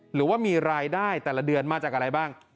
หรือว่ามีรายได้แต่ละเดือนมาจากอะไรบ้าง